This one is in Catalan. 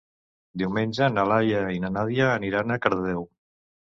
Diumenge na Laia i na Nàdia aniran a Cardedeu.